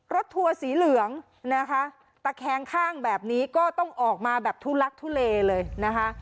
ทัวร์สีเหลืองนะคะตะแคงข้างแบบนี้ก็ต้องออกมาแบบทุลักทุเลเลยนะคะ